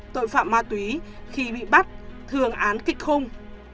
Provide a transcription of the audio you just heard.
tội phạm ma túy khi bị bắt thường án kịch khung